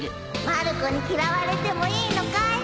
まる子に嫌われてもいいのかい？